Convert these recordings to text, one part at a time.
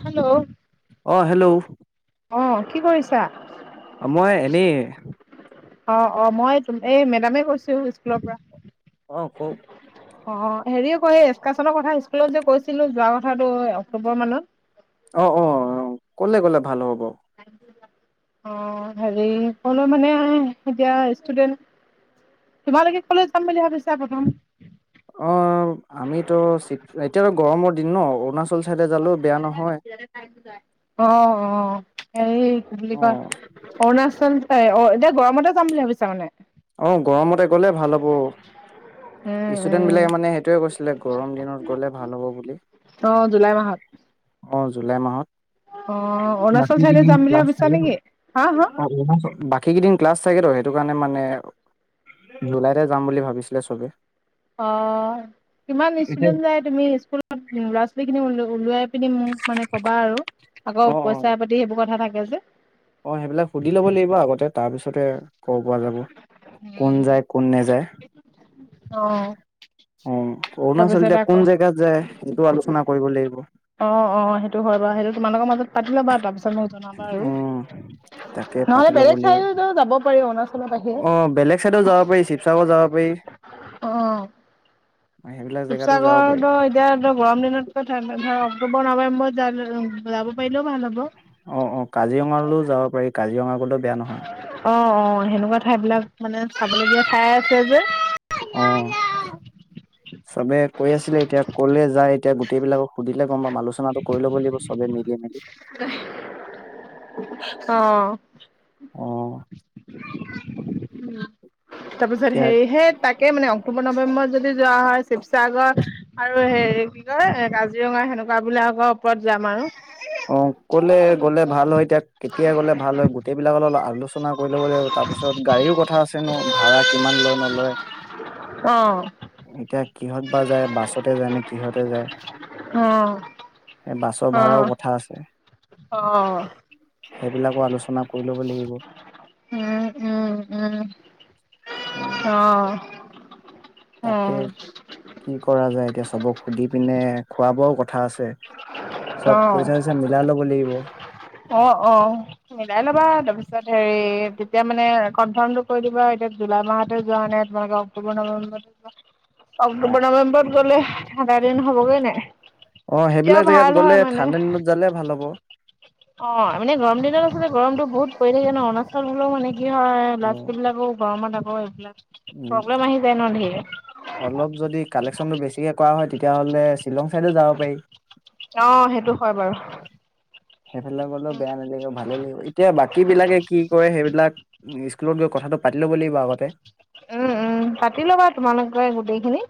Hello, অ'হেল্ল', অ'কি কৰিছা? মই এনেই অ', অ', মই এই মেডামে কৈছোঁ স্কুলৰ পৰা। অ' কোৱক। অ হেৰি কৈয়েই এক্কাচনৰ কথা স্কুলত যে কৈছিলো যোৱা কথাটো অক্টোবৰ মানত। অ', অ', অ', কোনে ক'লে ভাল নহ'ব? অ' হেৰি ক'লৈ মানে এতিয়া ষ্টুডেন্ট, তোমাৰলৈকে ক'লৈ যাম বুলি ভাবিছা প্ৰথম। অ' আমিতো এতিয়াতো গৰমৰ দিন ন অৰুণাচল চাইডে জালো বেয়া নহয় অ', অ', এই কি বুলি অ কয় অৰুণাচল? অ'এতিয়া গৰমতে যাম বুলি ভাবিছা মানে? অও। গৰমতে গ'লে ভাল হ'ব। উম ষ্টুডেন্ট উম বিলাকে মানে সেইটোয়ে কৈছিলে গৰম দিনত গলে ভাল হ'ব বুলি। অ জুলাই মাহত অ জুলাই মাহত। অ অৰুণাচল বাকী চাইডে কেইদিন যাম বুলি ক্লাছ ভাবিছা থাকিব নেকি হা হা [inaudible] বাকী কেইদিন ক্লাছ থাকে ত সেইটো কাৰণে মানে জুলাইতে যাম বুলি ভাবিছিলে চবে। অ' কিমান ষ্টুডেন্ট যাই তুমি স্কুলত ল'ৰা ছোৱালীখিনি ওলোৱা ওলোৱাই পিনি মোক মানে ক'বা আৰু। অ আকৌ অ পইচা পাতিৰ সেইবোৰ কথা থাক [unintelligible] অ' সেইবিলাক সুধি ল'ব লাগিব আগতে, তাৰপিছতে ক'ব পৰা যাব, কোন যায় কোন নেযায়। অ। অঁ' অৰুণাচল তাৰপিছত এতিয়া আকৌ কোন জেগাত যায় সেইটো আলোচ আলোচনা কৰিব লাগিব। অ অ সেইটো হয় বাৰু সেইটো তোমালোকৰ মাজত পাতি ল'বা তাৰপিছত মোক জনাবা আৰু উম তাকে নহলে পাতি ল'ব বেলেগ লাগিব চাইডটো যাব পাৰি অৰুণা অ বেলেগ চাইডো যাব পাৰি শিৱসাগৰ যাব পাৰি অহ সেইবিলাক জেগাতো যাব পাৰি শিৱসাগৰোটো এতিয়া তই গৰম দিনত তোৰ ধৰক অক্টোবৰ নৱেম্বৰত যা যাব পাৰিলেও ভাল হ'ব। অহ, অহ, কাজিৰঙালৈও যাব পাৰি কাজিৰঙা গ'লেও বেয়া নহয়। অ', অ', সেনেকুৱা ঠাই বিলাক মানে চাবলগীয়া ঠাই আছে যে। অ', চবে কৈ আছিলে এতিয়া ক'লে যায় এতিয়া গোটেই বিলাকক সুধিলে গম পাম আলোচনাটো কৰি ল'ব লাগিব। চবে মিলি মিলি। অহ। অহ। উম। তাৰপিছত এতিয়া সেয়েহে তাকে মানে অক্টোবৰ নৱেম্বৰ যদি যোৱা হয় শিৱসাগৰ আৰু হেৰি কি কয় কাজিৰঙা সেনেকুৱা বিলাকৰ ওপৰত যাম আৰু। [inaudible] সকলোৱে গ'লে ভাল হয় এতিয়া কেতিয়া গ'লে ভাল হয় গোটেই বিলাকৰ লগত আলোচনা কৰি ল'ব লাগিব তাৰ পিছত গাড়ীও কথা আছে ন' ভাড়া কিমান লয় নলয়, অ', এতিয়া কিহত বা যায় বাছতে যায় নে কিহতে যায়, এ বাছ ভাড়াও কথ অহ, সেইবিলাকো আলোচনা কৰি ল'ব লাগিব উম, উম, উম। উম অহ। তাকে কি কৰা যায় এতিয়া চবক সুধি পিনে খোৱা বোৱাও ক অ', মিলাই ল'ব লাগিব অ', অ' মিলাই লবা তাৰপিছত হেৰি তেতিয়া মানে কনফাৰ্মটো কৰি দিবা এতিয়া জুলাই মাহতে যোৱা নে তোমালোকে অক্টোবৰ নৱেম্বৰতে যোৱা। তাক অক্টোবৰ নৱেম্বৰত গ'লে থাইলেণ্ড হ'ব গৈ নাই? অ' তেতিয়াও সেইবিলাক জেগাত ভাল গ'লে হয় মানে। ঠাণ্ডা দিনত যালে ভাল হ'ব। অ' মানে গৰম দিনত আচলতে গৰমতো বহুত পৰি থাকে ন' অৰুণাচল হলেও মানে কি হয় অ ল'ৰা ছোৱালী বিলাকো গৰমত হয় এইবিলাক উম প্ৰব্লেম আহি যায় ন ধেৰ। অলপ যদি কালেকচনটো বেছিকে কৰা হয় তে তিয়া হ'লে শ্বিলং চাইডো যাব পাৰি। অ' সেইটো হয় বাৰু। সেইফালে গ'লেও বেয়া নালাগিব ভালে লাগিব এতিয়া বাকী বিলাকে কি কয় হেইবিলাক উম স্কুলত গৈ কথাটো পাতি ল'ব লাগিব আগতে। উম উম পাতি ল'বা তোমালোকে গোটেইখিনি।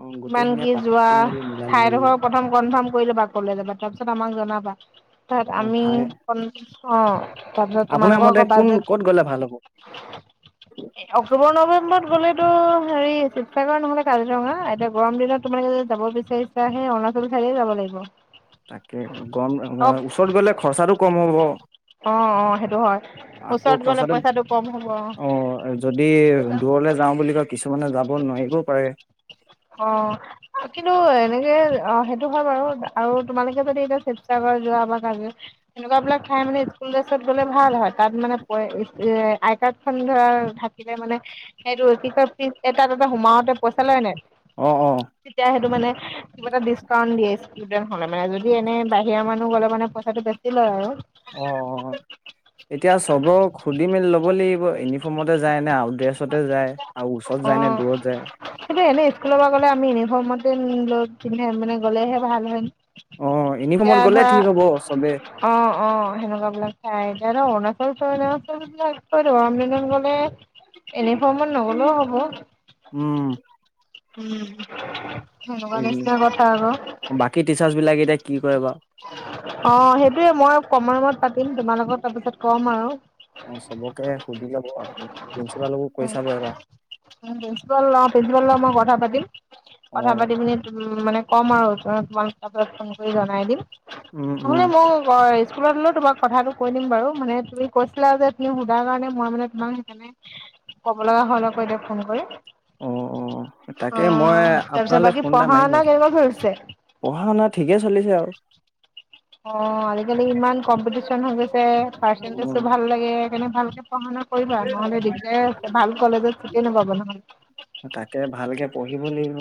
অ ইমান গোটেইখিনিয়ে কি যোৱা পাতি মেলি মিলাই ল'ব লাগিব ঠাইডোখৰ প্ৰথম কনফাৰ্ম কৰি ল'বা, ক'লেজাবা তাৰপিছত আমাক জনাবা তাৰপিত অ ঠাই আমি অ' তাৰপিছত আপোনাৰ তোমালোকৰ মতে আকৌ কোন বাজেট ক'ত গলে ভাল হ'ব? অক্টোবৰ নৱেম্বৰত গ'লেতো হেৰি শিৱসাগৰ নহ'লে কাজিৰঙা গৰম দিলনত তোমালোকে য যাব বিচাৰিছা সেই অৰুণাচল চাইডে যাব লাগিব। তাকে গম অ', ওচৰত গলে খৰচাটো কম হ'ব, অ অ সেইটো হয় আকৌ ওচৰত গ'লে খৰচাটো পইচাটো কম হ'ব অ', যদি দি দূৰলৈ যাও বুলি কয় কিছুমানে যাব নোৱাৰিবও পাৰে। অ', কিন্তু এনেকে অ', সেইটো হয় বাৰু আৰু তোমালোকে যদি এতিয়া শিৱসাগৰ যোৱা বা কাজি সেনেকুৱা বিলাক ঠাই মানে স্কুল ড্ৰেছত গলে ভাল হয়, তাত মানে এ আই কাৰ্ড খন ধৰা থাকিলে মানে সেইটো কি কয় ফিছ, তাত এটা সোমাওতে পইচা লয় নে? অ অ তেতিয়া সেইটো মানে কিবা এটা ডিচকাউণ্ট দিয়ে ষ্টুডেন্ট হলে মানে যদি এনে বাহিৰৰ মানুহ গলে মানে পইচাটো বেছি লয় আৰু। অ', অ', এতিয়া চবক সুধি মেলি ল'ব লাগিব ইউনিফৰ্মতে যায় নে আউট ড্ৰেছতে যায় আৰু ওচৰত যায় নে অ', দূৰত যায় কিন্তু এনে স্কুলৰ পৰা গ'লে আমি ইউনিফৰ্মত [unintelligible] মানে গ'লেহে ভাল হয়। অ ইউনিফৰ্মত এতিয়া গ'লে ধৰা ঠিক হ'ব চবে অ', অ', সেনেকুৱা বিলাক খাই এতিয়া অৰুণাচ [unintelligible] গৰম দিনত গলে এউনিফৰ্মত নগলেও হব। উম উম। সেনেকুৱা নিচিনাই কথা আৰু। বাকী টিচাৰ্চ বিলাকে এতিয়া কি কৰে বা অ', সেইটোয়ে মই কমন ৰুমত পাতিম তোমাৰ লগত তাৰপিছত কম আৰু অ চবকে সুধি ল'ব আপুনি প্ৰিন্সিপালকো কৈ চাব এবাৰ প্ৰিন্সিপাল অ', প্ৰিন্সিপাল লগত মই কথা পাতিম, কথা অ', পাতি পিনি মানে ক'ম আৰু [unintelligible] ফোন কৰি জনাই দিম। উম, উম, নহলে মই ভইচ স্কুলত হলেও তোমাক কথাটো কৈ দিম বাৰু, মানে তুমি কৈছিলা যে তুমি সোধা কাৰণে মই মানে তোমাক সেইকাৰণে ক'ব লগা হ'ল আকৌ এতিয়া ফোন কৰি। অ', অ', তাকে মই অ', তাৰপিছত আপোনালৈ বাকী ফোন এটা পঢ়া মাৰিম শুনা বাকী, কেনেকুৱা চলিছে? পঢ়া শুনা ঠিকে চলিছে আৰু। অ', আজিকালি ইমান কম্পিটিচন হৈ গৈছে পাৰ্চেন্টেজটো উম, ভাল লাগে কাৰণে ভালকে পঢ়া শুনা কৰিবা নহলে দিগদাৰে আছে ভাল কলেজত চিতে নাপাবা নহলে। তাকে ভালকে পঢ়িব লাগিব।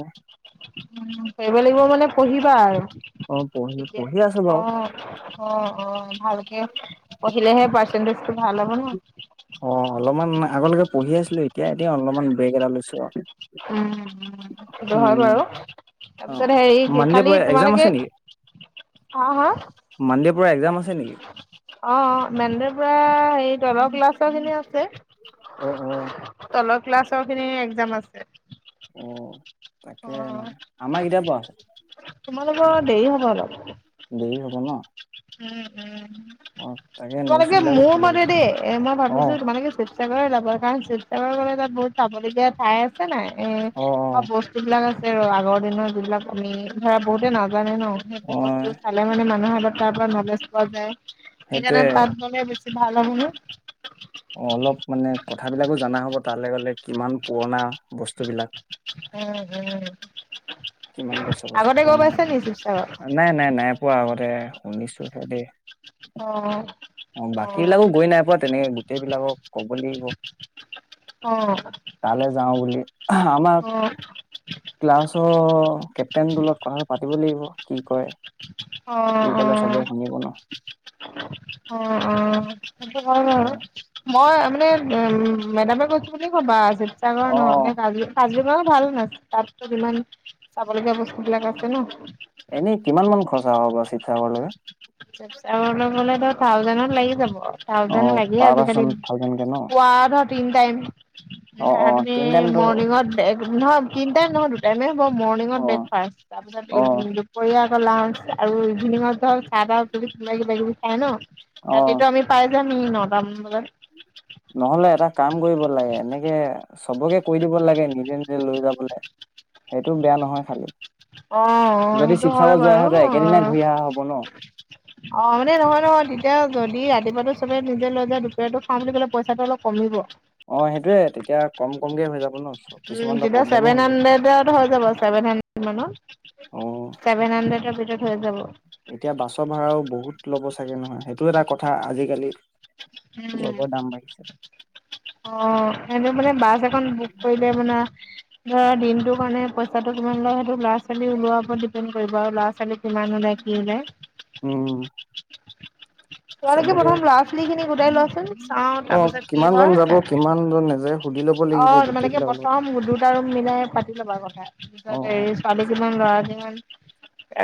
উম, পঢ়িব লাগিব মানে পঢ়িবা আৰু। অ', পঢ়ি পঢ়ি আছোঁ বাৰু অ', অ', অ', ভালকে পঢ়িলেহে পা তেন্দেচ হুই, অ', অলমান আগলৈকে পহিয়ে আছিলোঁ এতিয়া দে অলমমান ব্ৰেক এটা লৈছো ৰ উম, টো হয় বাৰু, তাপিছত অ', হেৰি কি মানডে খালি পৰা এক্সাম তোমালোকে, আছে নেকি? অ' হা? মানডেৰ পৰা এক্সাম আছে নেকি? অ', অ', মেন্দেৰ পৰা, হেৰিত অলপ ক্লাছ চাজ এনে আছে। অ-অ। তলৰ ক্লাছৰ খিনি এক্জাম আছে। এ অ, তাকে-মানে, আমাৰ কেতিয়া-পা আছে? তোমালোকৰ দেৰি হব অলপ। দেৰি হ'ব ন? উম, উম অ', তাকে নোটছ তোমালোকে বিলাকো মোৰ কেলে মতে দি পঠাইছিলে এ মই ভাবিছো অ', তোমালোকে চিপচাগৰ যাবা। [unintelligible] চিপ-চাগৰ গ'লে তাত বহুত চাবলগীয়া ঠাই আছে-নাই? এ অ', অ'। তোমাৰ বস্তু। তাগা আছে ৰ আগৰ দিনৰ যিবিলাক আমি, ধৰা বহুতে নাজ যোৱা নাই ন? সেইটো অ বস্তু চালে মানে মানুহৰ আগত তাৰপৰা নলেজ পোৱা যায়। সেইটোৱে সেইকাণে তাত গ'লে বেছ এত্ ভাল হ'বনে? অ' অলপ মানে কথাবিলাকো জানা হ'ব তালে গ'লে কিমান পুৰণা? বস্তুবিলাক। উম-উম কিমান বছ-বছ পোৱা নাই নি বোলো, শিৱসাগৰ? আ' নাই-নাই-নাই পোৱা আগতে, শুনিছো। হব দে। অহ, অ' বাকী বিলাকো গৈ নাই পোৱা তেনেকে গোটেই বিলাকক ক'ব লাগিব। অ', তা'লে যাওঁ বুলি। অ ক্লাছ, কেপটেনটো লগত কথাটো পাতিব লাগিব, কি কৰে? সি ক'লে অ', চবে অ'। শুনিব ন। অ', অ', সেইটো হয় অ বাৰু, মই এনে নে মে-মেডামে কৈছো বুলি কব জেত সাগৰ অ ন মে কাজু-কাজুক ন ভাল হয় তাট তো ইমান চাব লগগীয়া বস্তু বিলাক আছে ন। এনেই কিমান মান খৰচা হ'ব শিবসাগৰলৈ। চাবলে গলেতো থাউজেণ্ডত লাগি যাব। অ থাউজেন লাগেই পাৰ আজিকালি। পাৰ্চন থাউজেণ্ডকে ন তিন টাইম অ ধৰা অ তুমি তিনি টাইমটো মৰ্নিংত নহয় তিনি টাইম নহয় দুটাই মে হব মৰ্নিংত অ ব্ৰেকফাষ্ট তাৰপিছত অ দুপৰীয়া লান্স আৰু ইভিনিঙত ধৰ চাহ তাহ কিবা কিবা কিবি খায় ন অ ৰাতিটো আমি পাই নটা মান বজাত নহলে এটা কাম কৰিব লাগে এনেকে চবকে কৈ দিব লাগে নিজে নিজে লৈ যাবলে সেইটো বেয়া নহয় খালী অ সেইটো হয় বাৰু অ একেদিনাই ঘূৰি অহা হ'ব ন অ মানে নহয় নহয় তেতিয়া যদি ৰাতিপুৱাটো চবে নিজে লৈ যায় দুপৰিয়া টো খাওঁ বুলি ক'লে পইচাটো অলপ কমিব অ', সেইটোৱে তেতিয়া কম কমকে হৈ যাব ন' উম কিছুমানটো তেতিয়া প্ৰব্লেমো ছেভেন হৈ যায়। হাণ্ড্ৰেডত হৈ যাব ছেভেন হাণ্ড্ৰেড মানত অ ছেভেন হাণ্ড্ৰেডৰ ভিতৰত হৈ যাব। এতিয়া বাছৰ ভাড়াও বহুত ল'ব চাগে নহয় সেইটো এটা কথা আজিকালি। উম চবৰ দাম বাঢ়িছে। অ', এনে মানে বাছ এখন বুক কৰিলে মানে ধৰা দিনটোৰ কাৰণে পইচাটো কিমান লয় সেইটো ল'ৰা-ছোৱালী ওলোৱাৰ ওপৰত ডিপেণ্ড কৰিব আৰু ল'ৰা-ছোৱালী কিমান কি ওলাই ওলায় কি ওলাই। উম। তেওঁলোকে চবকে প্ৰথম লৰা-ছোৱালীখিনিক গোটাই লোৱাচোন। চাওঁ অ তাৰপিছত কি কিমান জন হয় যাব কিমান জন নাযায় সুধি ল'ব লাগিব অ', গোটেই তোমালেোকে বিলাকৰ লগত প্ৰথম দুটা ৰুম মিলাই পাতি ল'বা কথা, তাত অ অ হেৰি ছোৱালী কিমান, ল'ৰা কিমান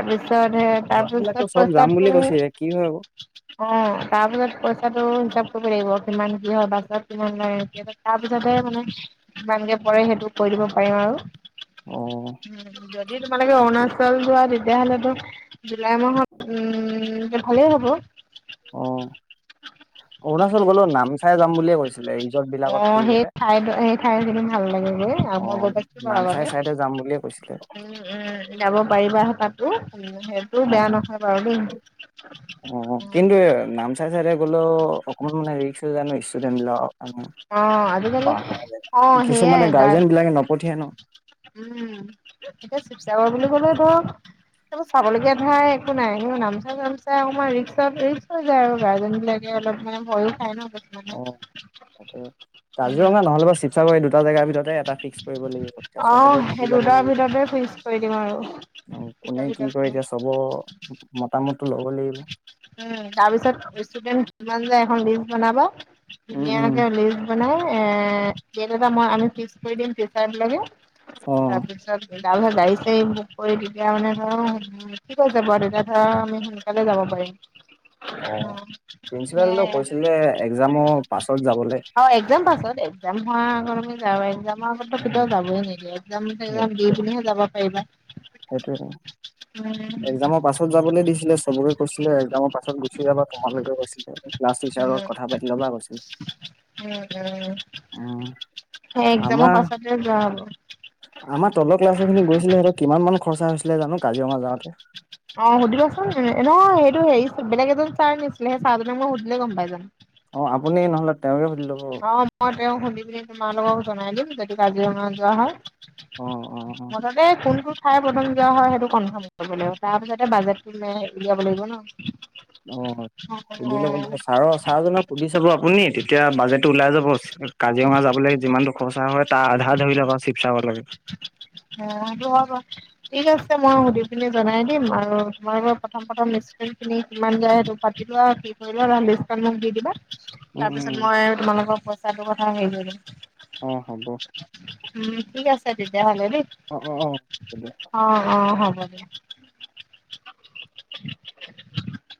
এবিধ হয় দে, ল'ৰাবিলাকতো তাৰপিছত চব যাম বুলি পইচাটো কৈছিলে কি হয় আকৌ অ', তাৰপিছত পইচাটো হিচাপ কৰিব লাগিব কিমান কি হয়, বাছত কিমান লয় তাৰ পিছতে মানে কিমানকে পৰে সেইটো কৰি দিব পাৰিম আৰু। অ উম, যদি তোমালোকে তাকে অৰুণাচল যোৱা তে তেতিয়াহ'লেটো জুলাই মাহত উম, ভালেই হ'ব। অ অৰুণাচল গ'লো নামচাই যাম বুলিয়ে কৈছিলে ৰিজৰ্ট বিলাকত আহ সেই ফুৰিবলে ঠাইত সেই ঠাইখিনি ভাল লাগিব অ মই গৈছ বাও নামচাই আগতে চাইডে যাম বুলিয়ে কৈছিলে উম উম যাব পাৰিবা হয় তাতো টো অ বেয়া নহয় বাৰু দেই অ কিন্তু নাম চাই চাইদে গলো অকনমান মানে ৰিস্ক হৈ যায় ন ষ্টোডেন বিলাক অ আজিকালি অ কিছুমানে সেইয়াই গাৰ গাৰ্জেন বিলাকে নপঠিয়াই ন উম এতিয়া শিৱসাগৰ বোলি কলে ধৰ ত চাবলগীয়া ধৰা একো নাই নামচা চামচা অকমান ই-ৰিক্সতে [unintelligible] গাৰ্জেনবিলাকে অলপ মানে ভয়য়ো খাই ন। অ [unintelligible] উম কাজিৰঙা নহলে বা শিৱসাগৰ এই দুটা জাগাৰ ভিতৰতে এটা ফিক্স কৰিব লাগিব এতিয়া অ চবকে সুধি সেই লব দুটাৰ লাগিব ভিতৰতে ফিক্স কৰি দিম আৰু দুটাৰ কোনে কি ভিতৰত কৰে এতিয়া চবৰ মতামতটো লব লাগিব। ইমান যায় এখন লিষ্ট বনাবা। উম, উম। ধুনীয়াকে লিষ্ট বনাই এ ডেট এটা মই আমি ফিক্স কৰি দিম টিচাৰ বিলাকে। অ তাৰপিছত গাড়ী চাঢ়ি বুক কৰি তেতিয়া মানে মোৰ ঠিক আছে বাৰু তেতিয়া ধৰাআমি সোনকালে যাব পাৰিম। অ', প্ৰিন্সিপালটো সেয়াই কৈছিলে একজামৰ পাছত যাব অ', এক্সাম পছতেই। [unintelligible] মাহতে কেতিয়াও যাবই নিদিয়ে। এক্সাম সেকজাম দি পিনিহে যাবা পাৰিবা। এক্সাজামৰ পাছত যাবলৈ দিছিলে চবকে কৈছিলে একজামৰ পাছত গুচি যাবা তোমালোকে কৈছিলে ক্লাছ টিচাৰ লগত কথা পাতি লবা কৈছে। সেই এক্জামৰ আমাৰ পাছতে যোৱা হ'ব। আমাৰ তলৰ ক্লাছৰ খিনি গৈছিলে সিহঁতৰ কিমান মান খৰচা হৈছিলে জানো কাজিৰ যোৱাত। [inaudible] অ', সুধিবাচোন ন সেইটো হেৰি বেলেগ এজন চাৰ নিছিলে সেই চাৰজক মই সুধিলে গম পাই যাম। অ', আপুনি নহলে তেওঁকে সুধি ল'ব অ', ম তেওঁ সুধি পিনি তোমালোকক জনাই দিম যদি কাজিৰঙাত যোৱা হয়। অ অ মুঠতে কোন কোন? ঠাই প্ৰথম দিয়া হয় সেইটো কনফাৰ্ম কৰিব লাগিব তাৰ পিছতে বাজেটটো উলিয়াব লাগিব ন। অ', সুধি লব লাগে ছাৰ ছাৰজনক সুধি চাব আপুনি তেতিয়া বাজেট টো ওলাই যাব কাজিৰঙা যাবলৈ যিমানটো খৰচা হয় তাৰ আধা ধৰি লওক আৰু শিৱসাগৰলৈকে। অ', সেইটো হয় ঠিক আছে মই সুধি পিনি জনাই দিম আৰু তোমাৰৰ প্ৰথম প্ৰথম লিষ্ট খিনি কিমান যায় সেইটো পাতি লোৱা আৰু [unintelligible] মোক দি দিবা। উম তাৰপিছত উম মই হ'ব পইচাটোৰ কথা হেৰি কৰি ল'ম। অ, হ'ব। উম, ঠিক আছে তেতিয়া হ'লে। দেই অ অ অ হ'ব দিয়ক অহ, অহ হ'ব। [inaudible]